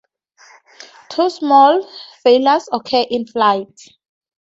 Two small failures occurred in-flight.